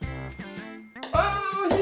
あおしい！